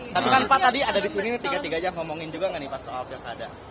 tapi kan pak tadi ada di sini tiga tiga jam ngomongin juga nggak nih pak soal pilkada